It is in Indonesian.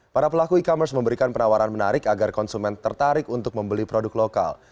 para pelaku e commerce memberikan penawaran menarik agar konsumen tertarik untuk membeli produk lokal